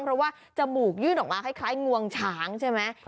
เพราะว่าจมูกยื่นออกมาคล้ายงวงช้างใช่ไหม